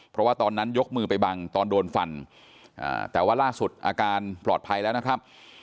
เพราะว่าตอนนั้นยกมือไปบังตอนโดนฟันแต่ว่าล่าสุดอาการปลอดภัยแล้วนะครับ